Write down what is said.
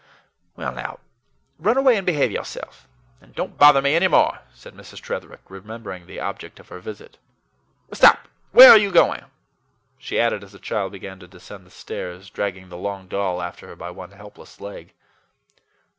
"Well, now, run away and behave yourself, and don't bother me any more," said Mrs. Tretherick, remembering the object of her visit. "Stop where are you going?" she added as the child began to ascend the stairs, dragging the long doll after her by one helpless leg.